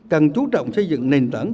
cần chú trọng xây dựng nền tảng